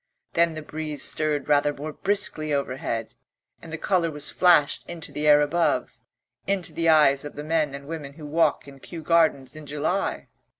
Then the breeze stirred rather more briskly overhead and the colour was flashed into the air above, into the eyes of the men and women who walk in Kew Gardens in July.